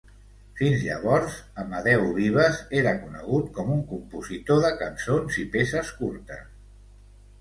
Fins llavors, Amadeu Vives era conegut com un compositor de cançons i peces curtes.